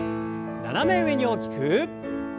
斜め上に大きく。